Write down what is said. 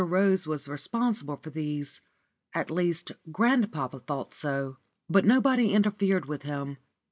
Rose was responsible for these; at least, grandpapa thought so. But nobody interfered with him.